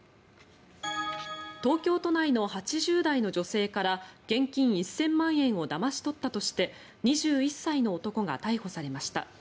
東京都内の８０代の女性から現金１０００万円をだまし取ったとして２１歳の男が逮捕されました。